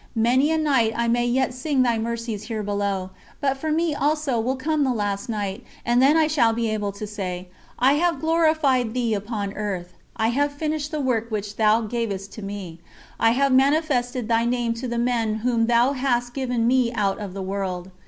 Many a night I may yet sing Thy Mercies here below, but for me also will come the last night, and then I shall be able to say: "I have glorified Thee upon earth: I have finished the work which Thou gavest me to do. I have manifested Thy name to the men whom Thou hast given me out of the world.